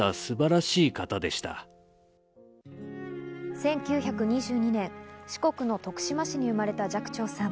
１９２２年、四国の徳島市に生まれた寂聴さん。